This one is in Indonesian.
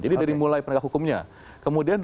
jadi dari mulai pendidik hukumnya kemudian